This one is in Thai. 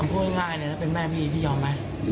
ทำพูดง่ายเป็นแม่พี่พี่ยอมไหม